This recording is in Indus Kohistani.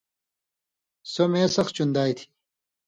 سو مے سخ چِندائ تھی۔